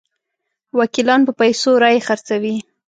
وکیلان په پیسو رایې خرڅوي.